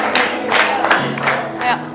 kiai kialah gue di rumah